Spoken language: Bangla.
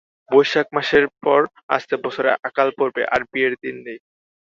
বৈশাখ মাসের পর আসছে বছরে আকাল পড়বে, আর বিয়ের দিন নেই।